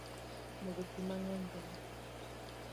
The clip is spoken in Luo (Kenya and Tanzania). Modho pii mangeny ber